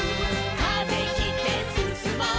「風切ってすすもう」